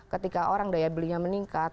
ketika orang daya belinya meningkat